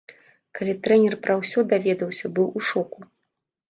Калі трэнер пра ўсё даведаўся, быў у шоку.